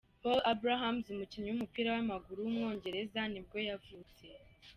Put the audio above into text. Paul Abrahams, umukinnyi w’umupira w’amaguru w’umwongereza nibwo yavutse.